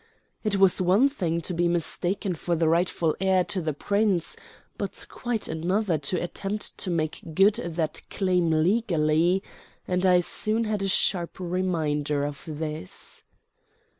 It was one thing to be mistaken for the rightful heir to the Prince, but quite another to attempt to make good that claim legally; and I soon had a sharp reminder of this.